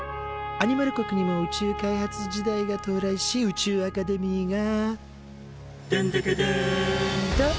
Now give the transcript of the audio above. アニマル国にも宇宙開発時代が到来し宇宙アカデミーが「でんでけでん！」と誕生。